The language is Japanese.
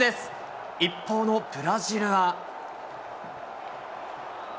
一方のブラジルは。